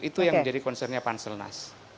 itu yang menjadi concern nya panselnas